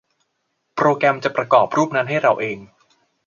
โปรแกรมจะประกอบรูปนั้นให้เราเอง !